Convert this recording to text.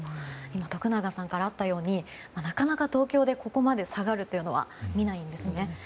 徳永さんからあったようになかなか東京でここまで下がるというのは見ないんですね。